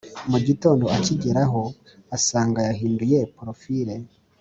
kmugitondo akigeraho asanga yahinduye porofile